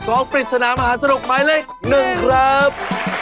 ของปริศนามหาสนุกไม้เล็กหนึ่งครับ